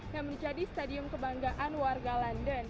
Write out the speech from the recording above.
yang menjadi stadium kebanggaan warga london